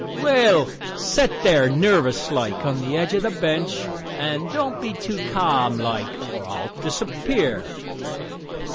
Well, set there nervous like, on the edge of the bench and don't be too ca'm like, or I'll disappear."